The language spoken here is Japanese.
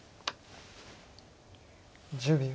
１０秒。